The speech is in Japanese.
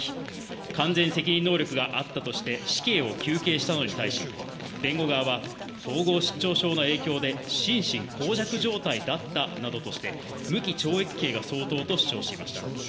完全責任能力があったとして死刑を求刑したのに対し、弁護側は統合失調症の影響で心神耗弱状態だったなどとして無期懲役刑が相当と主張していました。